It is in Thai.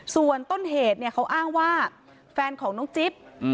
ส่วนต้นเหตุเนี่ยเขาอ้างว่าแฟนของน้องจิ๊บ